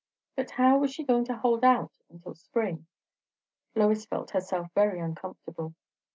But how was she going to hold out until spring? Lois felt herself very uncomfortable.